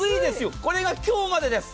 これが今日までです。